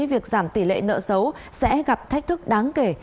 việc giảm tỷ lệ nợ xấu sẽ gặp thách thức đáng kể